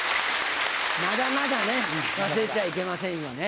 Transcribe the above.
まだまだ忘れちゃいけませんよね。